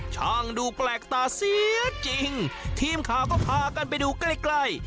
ช่างดูแปลกตาเสียจริงทีมข่าวก็พากันไปดูใกล้ใกล้